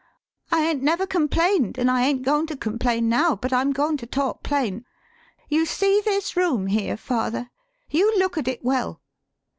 I 'ain't never complained, an' I ain't goin' to com plain now, but I'm goin' to talk plain. You see this room here, father; you look at it well.